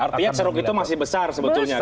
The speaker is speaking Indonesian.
artinya ceruk itu masih besar sebetulnya